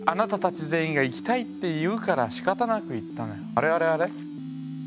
あれあれあれ？